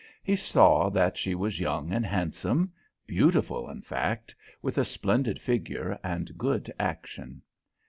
He saw that she was young and handsome, beautiful, in fact, with a splendid figure and good action.